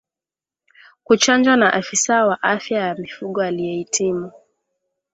Kuchanjwa na afisa wa afya ya mifugo aliyehitimu